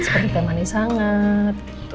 seperti yang manis sangat